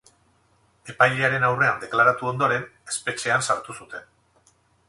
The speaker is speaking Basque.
Epailearen aurrean deklaratu ondoren, espetxean sartu zuten.